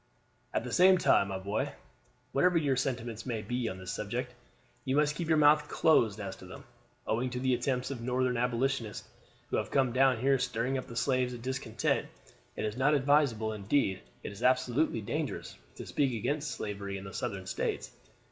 "At the same time, my boy, whatever your sentiments may be on this subject, you must keep your mouth closed as to them. Owing to the attempts of Northern Abolitionists, who have come down here stirring up the slaves to discontent, it is not advisable, indeed it is absolutely dangerous, to speak against slavery in the Southern States.